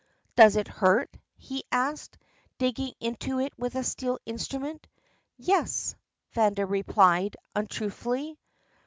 "Does it hurt?" he asked, digging into it with a steel instrument. "Yes," Vanda replied, untruthfully.